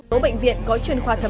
bộ bệnh viện có chuyên khoa thẩm